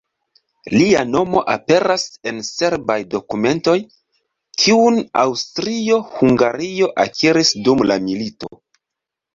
Lia nomo aperas en serbaj dokumentoj, kiun Aŭstrio-Hungario akiris dum la milito.